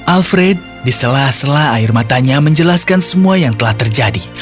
alfred diselah selah air matanya menjelaskan semua yang telah terjadi